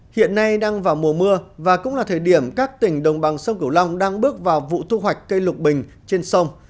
hiện nay đang vào mùa mưa và cũng là thời điểm các tỉnh đồng bằng sông cửu long đang bước vào vụ thu hoạch cây lục bình trên sông